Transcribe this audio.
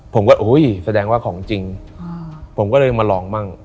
ผมก็อุ้ยแสดงว่าของจริงผมก็เลยมาลองมั่ง